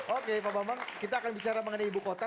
oke pak bambang kita akan bicara mengenai ibu kota